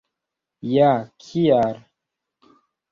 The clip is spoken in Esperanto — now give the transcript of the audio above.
Ja kial?